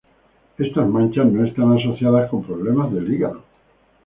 Estas manchas no están asociadas con problemas del hígado.